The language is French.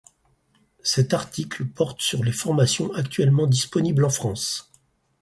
Cet article porte sur les formations actuellement disponibles en France.